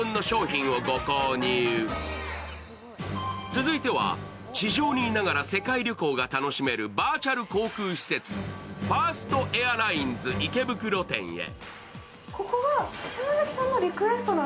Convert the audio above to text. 続いては地上にいながら世界旅行が楽しめるバーチャル航空施設ＦＩＲＳＴＡＩＲＬＩＮＥＳ池袋店へ。